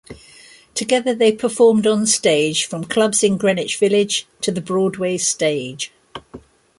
Together they performed onstage from clubs in Greenwich Village to the Broadway stage.